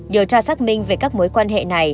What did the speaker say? điều tra xác minh về các mối quan hệ này